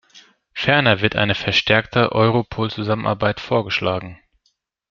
Ferner wird eine verstärkte Europol-Zusammenarbeit vorgeschlagen.